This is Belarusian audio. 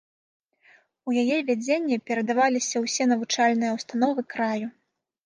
У яе вядзенне перадаваліся ўсе навучальныя ўстановы краю.